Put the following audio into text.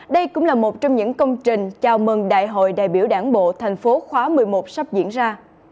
đây cũng là một trong những công trình chào mừng đại hội đại biểu đảng bộ thành phố khóa một mươi một sắp diễn ra